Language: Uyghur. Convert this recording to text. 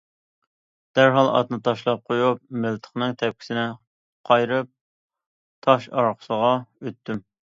دەرھال ئاتنى تاشلاپ قويۇپ مىلتىقنىڭ تەپكىسىنى قايرىپ، تاش ئارقىسىغا ئۆتتۈم.